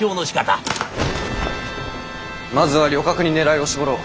まずは旅客に狙いを絞ろう。